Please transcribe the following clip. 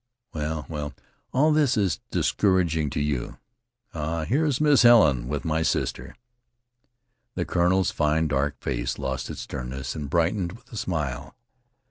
Well, well, all this is discouraging to you. Ah! here is Miss Helen with my sister." The colonel's fine, dark face lost its sternness, and brightened with a smile.